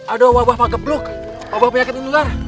ada wabah pake bluk wabah penyakit indular